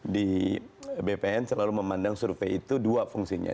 di bpn selalu memandang survei itu dua fungsinya